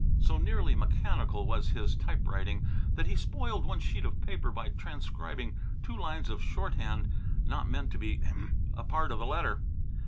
So nearly mechanical was his typewriting that he spoiled one sheet of paper by transcribing two lines of shorthand not meant to be a part of the letter.